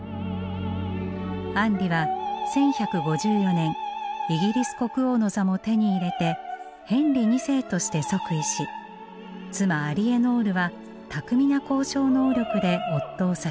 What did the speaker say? アンリは１１５４年イギリス国王の座も手に入れてヘンリー二世として即位し妻アリエノールは巧みな交渉能力で夫を支えます。